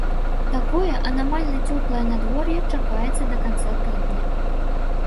Такое анамальна цёплае надвор'е чакаецца да канца тыдня.